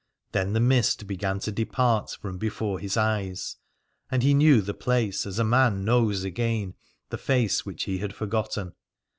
Then the mist began to depart from before his eyes, and he knew the place as a man knows again the face which he had forgotten.